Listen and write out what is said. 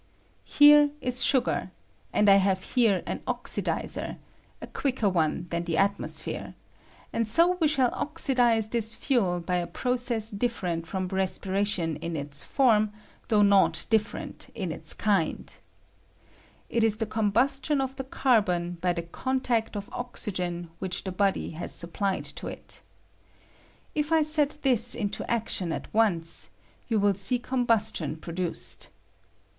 Here is sugar, and I have here an oxidizer — a quicker one than the atmosphere ; and so we shall oxidize this fuel by a process difftrent from respiration in its form, though not diflcpeat in ite kind. It is the combustion of the carbon by the contact of oxjgcn which the body has supplied to it. If 1 set this into CAEBON BURNED DUELNG BESPIHATION. 177 ction at once, joa will see combustion pro iluced.